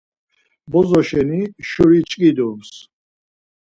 Bozo şeni şuri ç̌ǩidoms.